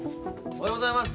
おはようございます。